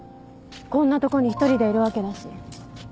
こんなとこに一人でいるわけだし